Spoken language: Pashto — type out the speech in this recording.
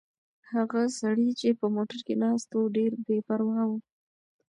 هغه سړی چې په موټر کې ناست و ډېر بې پروا و.